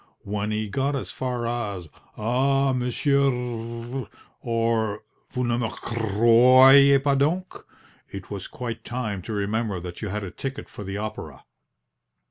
When he got as far as, "Ah, monsieur r r r rit!" or "Vous ne me cr r r royez pas donc!" it was quite time to remember that you had a ticket for the opera.